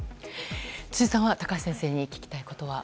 辻さんは高橋先生に聞きたいことは？